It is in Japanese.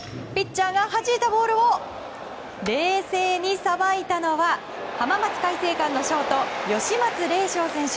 ピッチャーがはじいたボールを冷静にさばいたのは浜松開誠館のショート吉松礼翔選手。